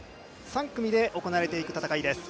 ３組で行われていく戦いです。